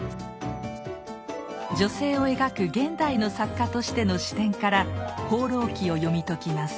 女性を描く現代の作家としての視点から「放浪記」を読み解きます。